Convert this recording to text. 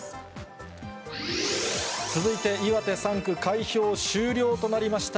続いて、岩手３区、開票終了となりました。